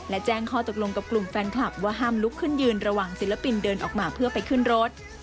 และแจ้งข้อตกลงกับกลุ่มแฟนคลับว่าห้ามลุกขึ้นยืนระหว่างศิลปินเดินออกมาเพื่อไปขึ้นรถ